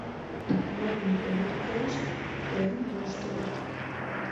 Мыйым огыт колышт, тыйым воштылыт...